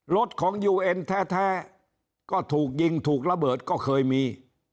รถของยูเอ็นแท้ก็ถูกยิงถูกระเบิดก็เคยมี